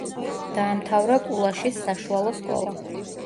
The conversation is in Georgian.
დაამთავრა კულაშის საშუალო სკოლა.